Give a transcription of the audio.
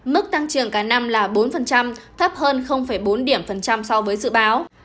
mức tăng trưởng cả năm là bốn thấp hơn bốn điểm phần trăm so với dự báo